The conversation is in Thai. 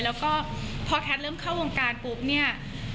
แล้วก็พอแพทย์เริ่มเข้าวงการปุ๊บเนี่ย